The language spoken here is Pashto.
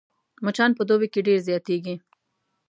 مچان په دوبي کې ډېر زيات کېږي